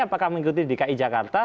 apakah mengikuti dki jakarta